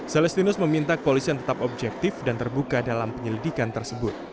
celestinus meminta polisi yang tetap objektif dan terbuka dalam penyelidikan tersebut